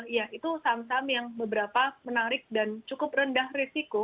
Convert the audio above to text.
iya itu saham saham yang beberapa menarik dan cukup rendah risiko